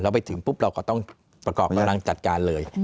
ไปถึงปุ๊บเราก็ต้องประกอบกำลังจัดการเลย